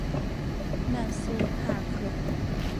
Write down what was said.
曼斯帕克。